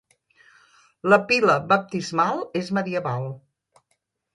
La pila baptismal és medieval.